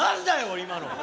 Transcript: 今の。